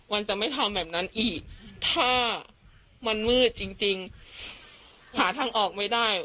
มันจะไม่ทำแบบนั้นอีกถ้ามันมืดจริงหาทางออกไม่ได้